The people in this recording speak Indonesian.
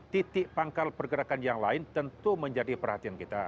titik pangkal pergerakan yang lain tentu menjadi perhatian kita